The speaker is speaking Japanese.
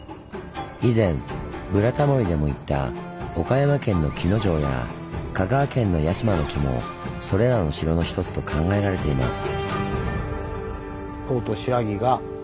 以前「ブラタモリ」でも行った岡山県の鬼ノ城や香川県の屋嶋城もそれらの城の一つと考えられています。